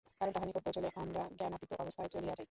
কারণ তাঁহার নিকট পৌঁছিলে আমরা জ্ঞানাতীত অবস্থায় চলিয়া যাই।